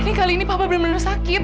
ini kali ini papa bener bener sakit